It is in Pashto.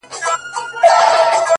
خو زما هيلې له ما نه مرورې!!